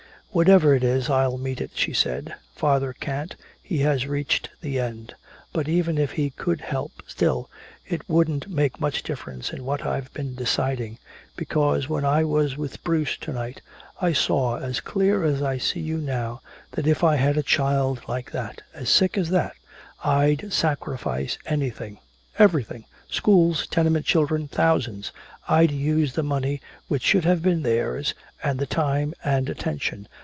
"Whatever it is, I'll meet it," she said. "Father can't, he has reached the end. But even if he could help still, it wouldn't make much difference in what I've been deciding. Because when I was with Bruce to night, I saw as clear as I see you now that if I had a child like that as sick as that I'd sacrifice anything everything schools, tenement children, thousands! I'd use the money which should have been theirs, and the time and the attention!